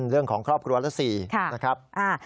เรื่องของครอบครัวละ๔นะครับ